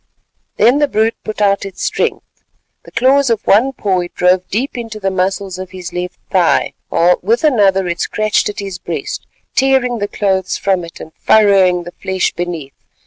Then the brute put out its strength. The claws of one paw it drove deep into the muscles of his left thigh, while with another it scratched at his breast, tearing the clothes from it and furrowing the flesh beneath.